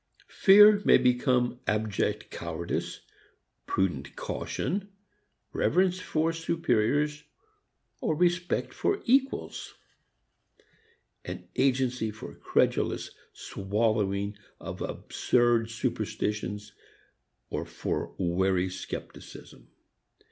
Fear may become abject cowardice, prudent caution, reverence for superiors or respect for equals; an agency for credulous swallowing of absurd superstitions or for wary scepticism.